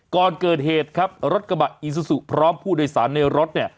ก่อนเกิดเหตุรถกระบะอินสุซุพร้อมผู้โดยสารในรถ